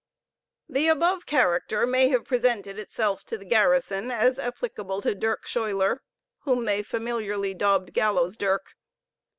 The above character may have presented itself to the garrison as applicable to Dirk Schuiler, whom they familiarly dubbed Gallows Dirk.